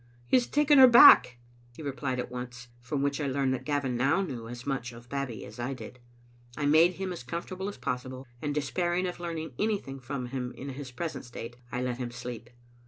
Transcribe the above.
"He has taken her back," he replied at once, from which I learned that Gavin now knew as much of Bab bie as I did. I made him as comfortable as possible, and despair ing of learning anything from him in his present state, I let him sleep.